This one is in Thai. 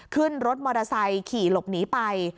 ขึ้นรถมอเตอร์ไซค์ขี่หลบหนีไป